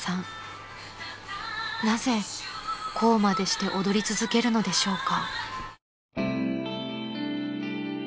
［なぜこうまでして踊り続けるのでしょうか？］